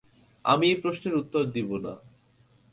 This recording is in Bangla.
আমি এই প্রশ্নের উত্তর দিব না।